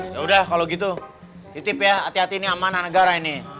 ya udah kalau gitu titip ya hati hati ini amanah negara ini